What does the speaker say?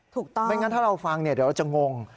ไม่งั้นถ้าเราฟังเดี๋ยวเราจะงง